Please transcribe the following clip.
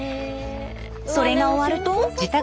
それが終わると。